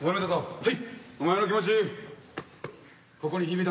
はい。